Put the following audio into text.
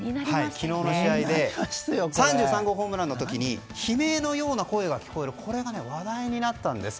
昨日の試合で３３号ホームランの時に悲鳴のような声が聞こえるこれが話題になったんです。